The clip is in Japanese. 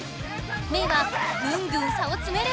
メイはぐんぐん差をつめる！